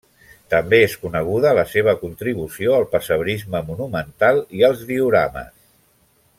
També és coneguda la seva contribució al pessebrisme monumental i als diorames.